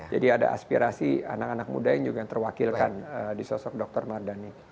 jadi ada aspirasi anak anak muda yang juga terwakilkan di sosok dokter mardhani